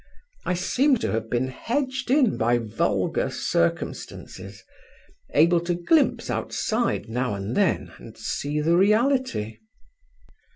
I seem to have been hedged in by vulgar circumstances, able to glimpse outside now and then, and see the reality."